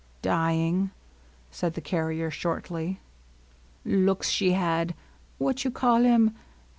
^^ Dyin'," said the carrier shortly. " Looks she had — what you call him